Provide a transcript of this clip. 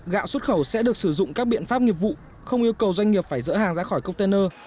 gạo xuất khẩu sẽ được sử dụng các biện pháp nghiệp vụ không yêu cầu doanh nghiệp phải dỡ hàng ra khỏi container